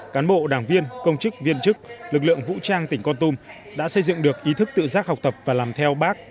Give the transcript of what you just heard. cán bộ đảng viên công chức viên chức lực lượng vũ trang tỉnh con tum đã xây dựng được ý thức tự giác học tập và làm theo bác